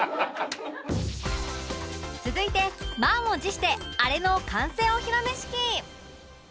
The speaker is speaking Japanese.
続いて満を持してあれの完成お披露目式